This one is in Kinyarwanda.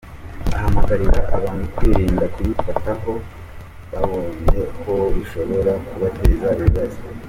Ahamagarira abantu kwirinda kuyifata aho babonye kuko bishobora kubateza ibibazo.